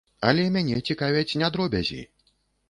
Але мяне цікавяць не дробязі.